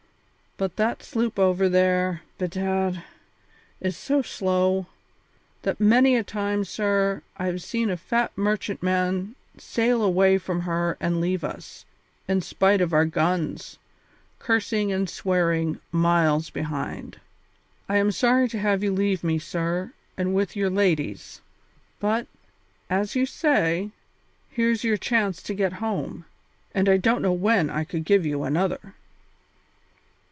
But that sloop over there, bedad, is so slow, that many a time, sir, I have seen a fat merchantman sail away from her and leave us, in spite of our guns, cursing and swearing, miles behind. I am sorry to have you leave me, sir, and with your ladies; but, as you say, here's your chance to get home, and I don't know when I could give you another."